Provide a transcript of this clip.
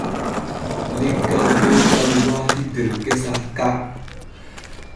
Leggal gootal waati der gesa ka.